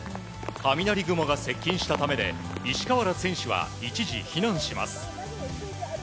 雷雲が接近したためで石川ら選手は一時避難します。